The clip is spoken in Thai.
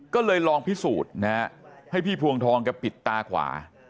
ก็เลยลองพิสูจน์นะฮะให้พี่พวงทองแกปิดตาขวา